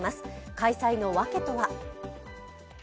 開催の訳とは？